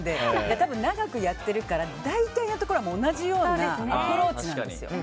多分、長くやってるから大体のところは同じようなアプローチなんですよ。